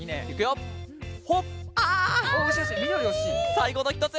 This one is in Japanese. さいごのひとつ！